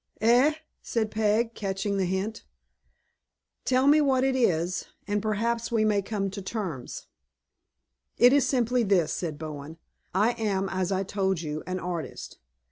"Eh!" said Peg, catching at the hint. "Tell me what it is, and perhaps we may come to terms." "It is simply this," said Bowen, "I am, as I told you, an artist.